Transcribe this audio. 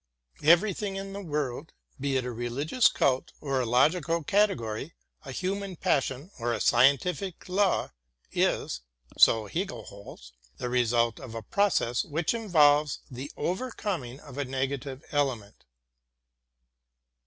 Everything in the world — ^be it a religious cult or a logical category, a human pas sion or a scientific law — is, so Hegel holds, the result of a process which involves the overcoming of a negative ele ment.